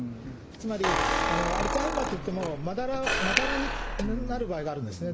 つまりアルツハイマーといっても、まだらになる場合があるんですね。